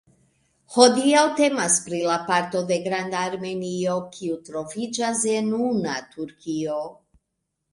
Hodiaŭ temas pri la parto de Granda Armenio kiu troviĝas en una Turkio.